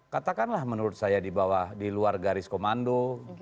katakanlah menurut saya di bawah di luar garis komando